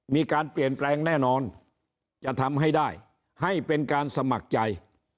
มีการเปลี่ยนแปลงแน่นอนจะทำให้ได้ให้เป็นการสมัครใจ